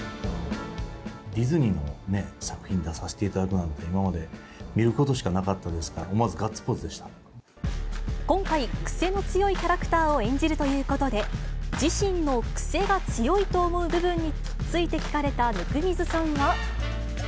ディズニーのね、作品に出させていただくなんて、今まで見ることしかなかったですから、今回、クセの強いキャラクターを演じるということで、自身のクセが強いと思う部分について聞かれた温水さんは。